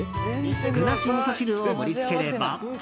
具なしみそ汁を盛り付ければ。